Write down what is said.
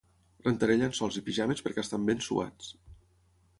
rentaré llençols i pijames perquè estan ben suats